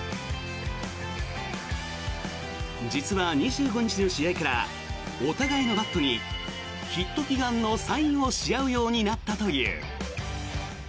実は２５日の試合からお互いのバットにヒット祈願のサインをし合うようになったという。